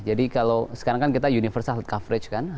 jadi kalau sekarang kan kita universal coverage kan